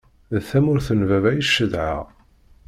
D tamurt n baba i cedheɣ.